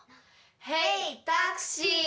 ヘイタクシー！